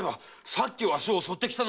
さっきわしを襲ってきたのだって